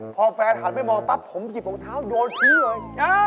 พอแฟนหันไปมองปั๊บผมหยิบของเท้าโยนทิ้งเลย